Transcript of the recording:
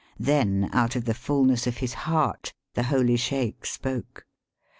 Then out of the fulness of his heart the holy Sheik spoke.